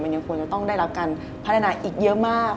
ยังควรจะต้องได้รับการพัฒนาอีกเยอะมาก